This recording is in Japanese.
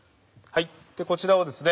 こちらをですね